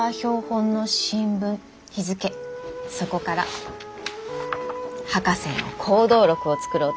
そこから博士の行動録を作ろうと。